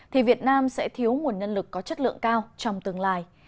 thì việt nam sẽ thiếu nguồn nhân lực có chất lượng cao trong tương lai